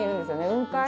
雲海？